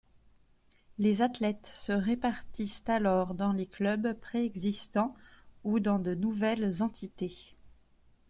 Les athlètes se répartissent alors dans les clubs préexistants ou dans de nouvelles entités.